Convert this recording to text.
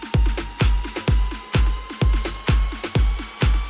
โปรดติดตามตอนต่อไป